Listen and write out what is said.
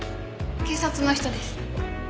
警察の人です。